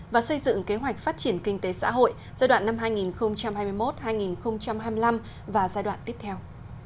và xây dựng kế hoạch phát triển kinh tế xã hội giai đoạn năm hai nghìn hai mươi một hai nghìn hai mươi năm và giai đoạn tiếp theo